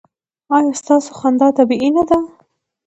ایا ستاسو خندا طبیعي نه ده؟